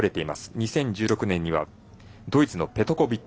２０１６年にはドイツのペトコビッチ。